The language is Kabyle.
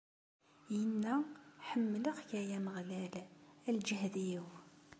Inna: Ḥemmleɣ-k, ay Ameɣlal, a lǧehd-iw!